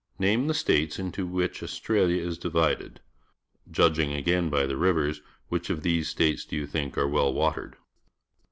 Name the .states into which Australia is di vided. Judging again by the rivers, which of these states do you think are well watered?